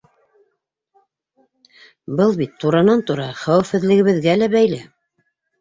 Был бит туранан-тура хәүефһеҙлегебеҙгә лә бәйле.